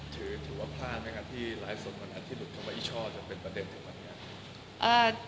ถือว่าพลาดไหมคะที่หลายส่วนคนที่หลุดเข้าไปอีช่อจะเป็นประเด็นถึงวันนี้